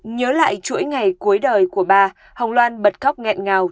nhớ lại chuỗi ngày cuối đời của bà hồng loan bật khóc nghẹn ngào